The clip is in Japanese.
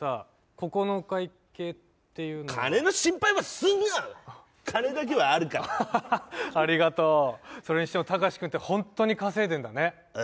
ここのお会計っていうのは金の心配はすんなお前金だけはあるからアハハハッありがとうそれにしても貴士君ってホントに稼いでんだねおう？